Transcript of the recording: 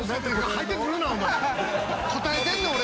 入ってくるな、お前。